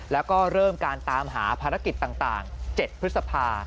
แล้วก็เริ่มการตามหาภารกิจต่าง๗พฤษภา